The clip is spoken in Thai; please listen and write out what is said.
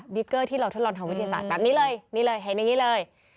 เกอร์ที่เราทดลองทางวิทยาศาสตร์แบบนี้เลยนี่เลยเห็นอย่างนี้เลย